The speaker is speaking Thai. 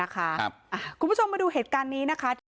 คุณผู้ชมมาดูเหตุการณ์นี้นะคะที่